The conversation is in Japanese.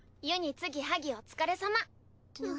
ゆにつぎはぎお疲れさま。